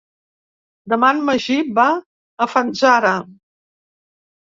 Demà en Magí va a Fanzara.